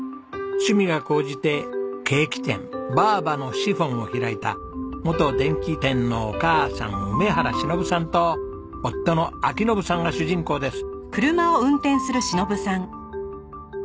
趣味が高じてケーキ店「ばぁばのシフォン」を開いた元電気店のお母さん梅原忍さんと夫の章伸さんが主人公です。